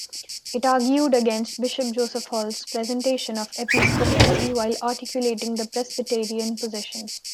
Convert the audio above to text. It argued against Bishop Joseph Hall's presentation of episcopacy, while articulating the Presbyterian positions.